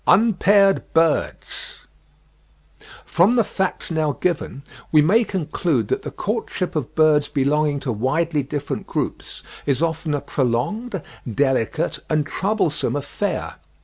UNPAIRED BIRDS. From the facts now given, we may conclude that the courtship of birds belonging to widely different groups, is often a prolonged, delicate, and troublesome affair.